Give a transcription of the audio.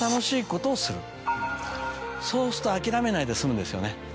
そうすると諦めないで済むんですよね。